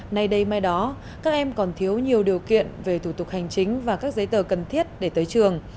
nay đây mai đó các em còn thiếu nhiều điều kiện về thủ tục hành chính và các giấy tờ cần thiết để tới trường